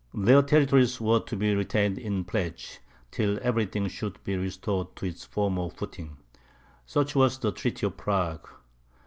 Their territories were to be retained in pledge, till every thing should be restored to its former footing. Such was the treaty of Prague.